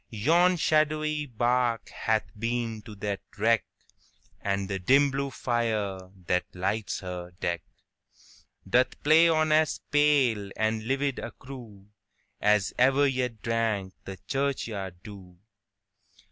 Yon shadowy bark hath been to that wreck, And the dim blue fire, that lights her deck, Doth play on as pale and livid a crewAs ever yet drank the churchyard dew.